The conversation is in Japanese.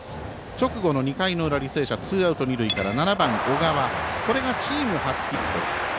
直後の２回の裏、履正社ツーアウト、二塁から７番、小川、チーム初ヒット。